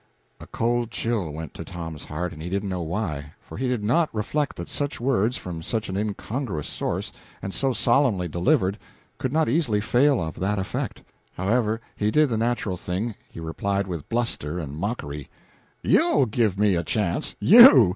A cold chill went to Tom's heart, he didn't know why; for he did not reflect that such words, from such an incongruous source, and so solemnly delivered, could not easily fail of that effect. However, he did the natural thing: he replied with bluster and mockery: "You'll give me a chance you!